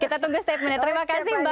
kita tunggu statementnya terima kasih mbak